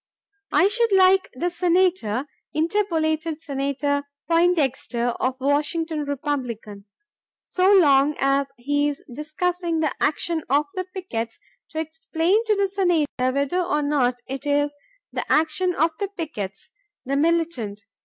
"I should like the Senator," interpolated Senator Poindexter of Washington, Republican, "so long as he is discussing the action of the pickets, to explain to the Senate whether or not it is the action of the pickets ... the militant